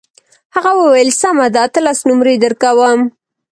هغه وویل سمه ده اتلس نمرې درکوم.